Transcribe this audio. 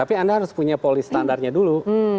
tapi anda harus punya polis standarnya dulu